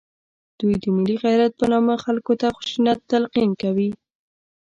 دوی د ملي غیرت په نامه خلکو ته خشونت تلقین کوي